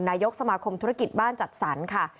นายกสมาคมธุรกิจบ้านจัดสรรค่ะ